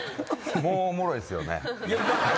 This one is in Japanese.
もうおもろいですよね。